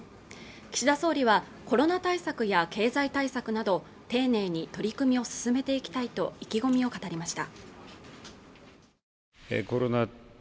岸田総理はコロナ対策や経済対策など丁寧に取り組みを進めていきたいと意気込みを語りました